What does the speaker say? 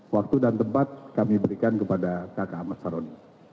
waktu dan tempat kami berikan kepada kakak ahmad saroni